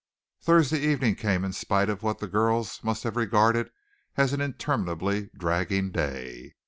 Thursday evening came in spite of what the girls must have regarded as an interminably dragging day.